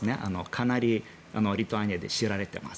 かなりリトアニアで知られています。